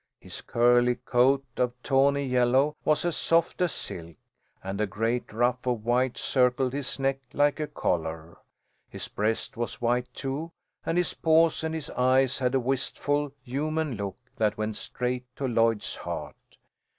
His curly coat of tawny yellow was as soft as silk, and a great ruff of white circled his neck like a collar. His breast was white, too, and his paws, and his eyes had a wistful, human look that went straight to Lloyd's heart.